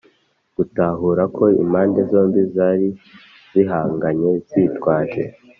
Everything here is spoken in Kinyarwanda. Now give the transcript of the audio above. gutahura ko impande zombi zari zihanganye zitwaje